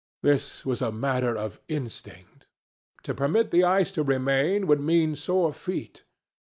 This was a matter of instinct. To permit the ice to remain would mean sore feet.